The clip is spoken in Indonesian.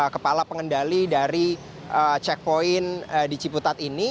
kepala pengendali dari checkpoint di ciputat ini